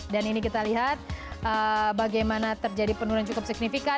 dan ini kita lihat bagaimana terjadi penurunan cukup signifikan